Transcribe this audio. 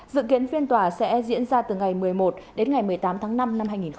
dự kiến phiên tòa sẽ diễn ra từ ngày một mươi một đến ngày một mươi tám tháng năm năm hai nghìn hai mươi